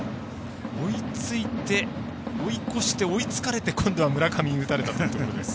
追いついて、追い越して追いつかれて今度は村上に打たれたという形です。